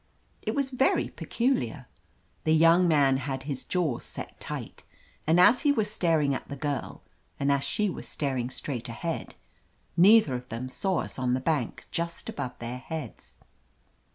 It was very peculiar. The young man had his jaws set tight, and as he was staring at the girl, and as she was star ing straight ahead, neither of them saw us on the bank just above their heads.